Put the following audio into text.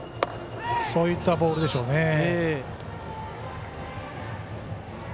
そういったボールでしょうね。